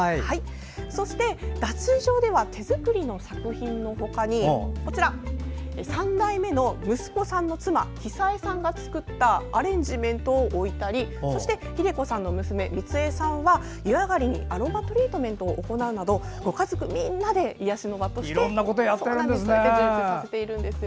そして脱衣場では手作りの作品の他に３代目の息子さんの妻・寿江さんが作ったアレンジメントを置いたりそして偉子さんの娘・充江さんは湯上がりにアロマトリーメントを行うなどご家族みんなで癒やしの場として充実させているんです。